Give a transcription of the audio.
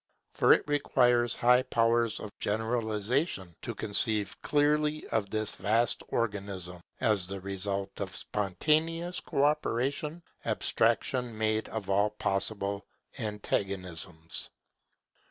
For it requires high powers of generalization to conceive clearly of this vast organism, as the result of spontaneous co operation, abstraction made of all partial antagonisms.